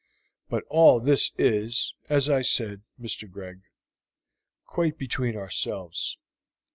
But all this is, as I said, Mr. Greg, quite between ourselves.